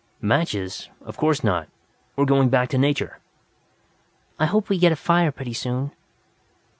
"Matches! Of course not! We're going back to Nature." "I hope we get a fire pretty soon."